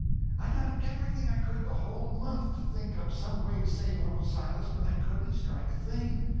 "I done everything I could the whole month to think up some way to save Uncle Silas, but I couldn't strike a thing.